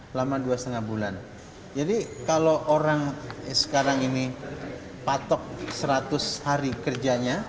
selama dua lima bulan jadi kalau orang sekarang ini patok seratus hari kerjanya